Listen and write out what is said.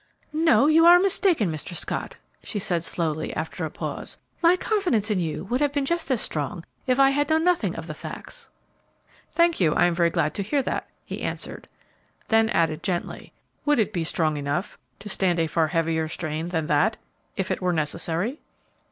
"No; you are mistaken, Mr. Scott," she said, slowly, after a pause. "My confidence in you would have been just as strong if I had known nothing of the facts." "Thank you; I am very glad to hear that," he answered. Then added, gently, "Would, it be strong enough to stand a far heavier strain than that, if it were necessary?"